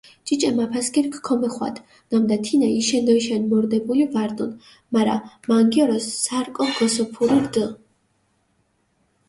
ჭიჭე მაფასქირქ ქომეხვადჷ, ნამდა თინა იშენდოიშენ მორდებული ვარდუნ, მარა მანგიორო სარკო გოსოფური რდჷ.